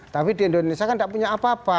tapi di indonesia kan tidak punya apa apa